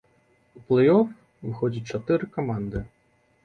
У плэй-оф выходзяць чатыры каманды.